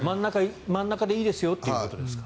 真ん中でいいですよということですか。